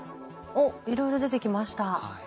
おっいろいろ出てきました。